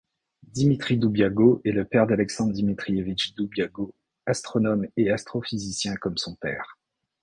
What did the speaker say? Dimitri Doubiago est le père d'Alexandre Dmitrievitch Doubiago astronome et astrophysicien comme son père.